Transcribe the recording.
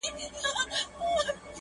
فاصله مو ده له مځکي تر تر اسمانه!.